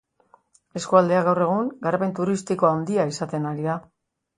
Eskualdea, gaur egun, garapen turistiko handia izaten ari da.